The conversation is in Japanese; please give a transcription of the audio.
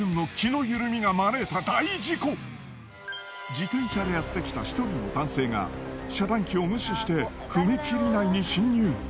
自転車でやってきた１人の男性が遮断機を無視して踏切内に侵入。